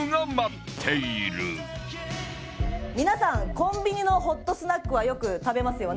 コンビニのホットスナックはよく食べますよね？